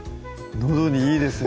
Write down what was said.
のどにいいですね